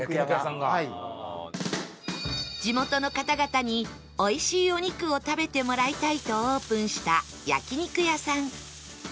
地元の方々においしいお肉を食べてもらいたいとオープンしたやきにくやさん